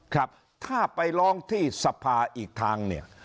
ครับถ้าไปร้องที่สภาอีกทางเนี่ย